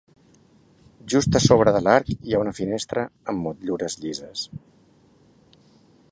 Just a sobre de l'arc hi ha una finestra amb motllures llises.